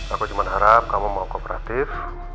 aku cuma harap kamu mau kooperatif